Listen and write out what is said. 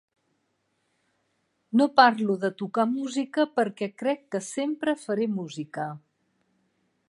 No parlo de tocar música perquè crec que sempre faré música.